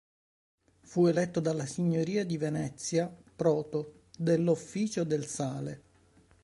Fu eletto dalla Signoria di Venezia "proto" dell"'Officio del Sale".